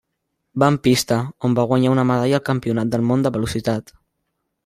Va en pista, on va guanya una medalla al Campionat del món de Velocitat.